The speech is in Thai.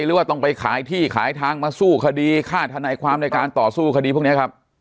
หรือว่าต้องไปขายที่ขายทางมาสู้คดีฆ่าธนายความในการต่อสู้คดีพวกนี้ครับ